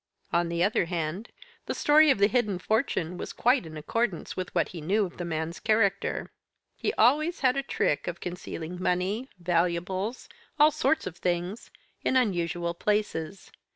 On the other hand, the story of the hidden fortune was quite in accordance with what he knew of the man's character. He always had a trick of concealing money, valuables, all sorts of things, in unusual places.